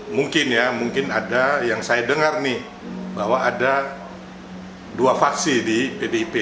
mungkin ya mungkin ada yang saya dengar nih bahwa ada dua faksi di pdip